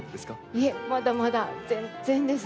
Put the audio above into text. いえまだまだ全然です。